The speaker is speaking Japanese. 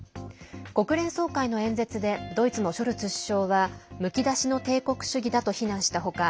国連総会の演説でドイツのショルツ首相はむき出しの帝国主義だと非難した他